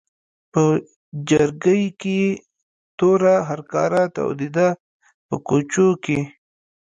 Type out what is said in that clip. په چرګۍ کې یې توره هرکاره تودېده په کوچو کې.